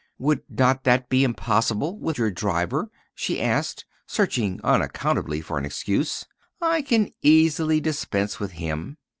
"Would not that be impossible with your driver?" she asked, searching unaccountably for an excuse. "I can easily dispense with him."